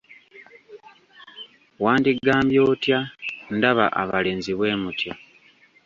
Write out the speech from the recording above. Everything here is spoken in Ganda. Wandigambye otya? Ndaba abalenzi bwe mutyo!